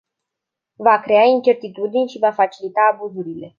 Va crea incertitudini și va facilita abuzurile.